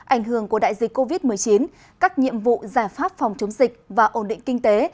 ảnh hưởng của đại dịch covid một mươi chín các nhiệm vụ giải pháp phòng chống dịch và ổn định kinh tế